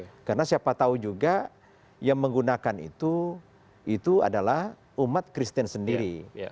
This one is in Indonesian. karena siapa tahu juga yang menggunakan itu itu adalah umat kristen sendiri